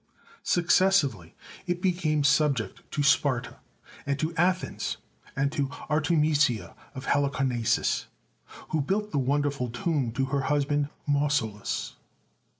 Successively it became subject to Sparta and to Athens, and to Artemisia of Halicarnassus, who built the wonderful tomb to her husband Mauso lus.